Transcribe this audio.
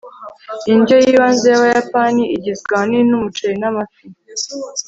indyo yibanze yabayapani igizwe ahanini numuceri n amafi